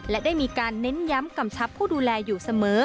และได้มีการเน้นย้ำกำชับผู้ดูแลอยู่เสมอ